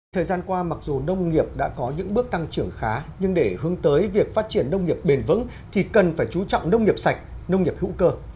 thời gian qua mặc dù nông nghiệp đã có những bước tăng trưởng khá nhưng để hướng tới việc phát triển nông nghiệp bền vững thì cần phải chú trọng nông nghiệp sạch nông nghiệp hữu cơ